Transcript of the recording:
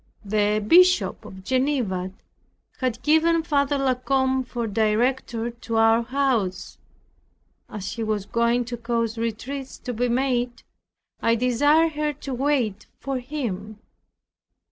The Bishop of Geneva had given Father La Combe for director to our house. As he was going to cause retreats to be made, I desired her to wait for him.